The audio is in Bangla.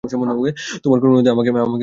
তোমার কর্মের মধ্যে আমাকে স্থান দিতেই হইবে।